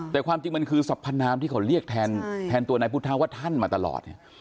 แต่ความจริงมันคือสัพพนามที่เขาเรียกแทนตัวนายพุทธาว่าท่านมาตลอดเนี่ย